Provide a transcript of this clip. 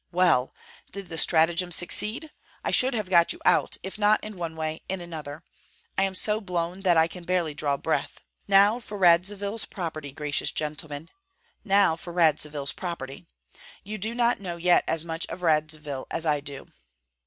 Well! did the stratagem succeed? I should have got you out, if not in one way, in another. I am so blown that I can barely draw breath. Now for Radzivill's property, gracious gentlemen, now for Radzivill's property! You do not know yet as much of Radzivill as I do!"